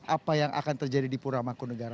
apa yang akan terjadi di puramakunegara